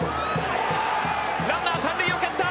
ランナー三塁を蹴った。